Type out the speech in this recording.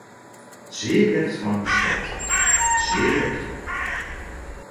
Zeer recht van gestalte, zeer rechtop.